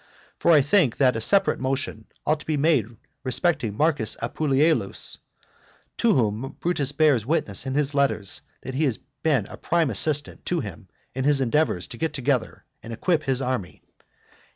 For I think that a separate motion ought to be made respecting Marcus Appuleius, to whom Brutus bears witness in his letters that he has been a prime assistant to him in his endeavours to get together and equip his army.